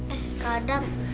eh ke adam